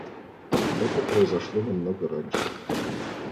Это произошло намного раньше.